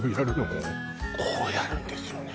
こうやるんですよね